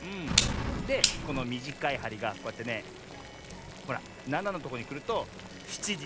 でこのみじかいはりがこうやってねほら７のとこにくると７じちょうどってわけよ。